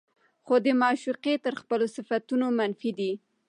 خو د معشوقې تر خپلو صفتونو منفي دي